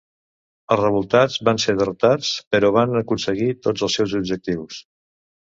Els revoltats van ser derrotats, però van aconseguir tots els seus objectius.